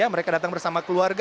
mereka datang bersama keluarga